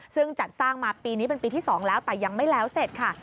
ซึ่งจัดสร้างมาปีนี้เป็นปีที่๒แล้วแต่ยังไม่แล้วเสร็จค่ะ